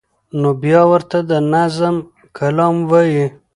نو بیا ورته د نظم کلام وایی